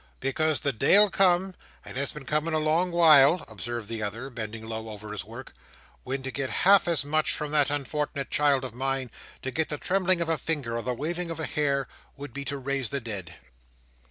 "Because the day'll come, and has been coming a long while," observed the other, bending low over his work, "when to get half as much from that unfort'nate child of mine—to get the trembling of a finger, or the waving of a hair—would be to raise the dead."